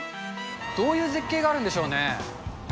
どういう絶景があるんでしょうね。